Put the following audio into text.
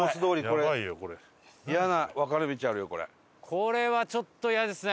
これはちょっとイヤですね。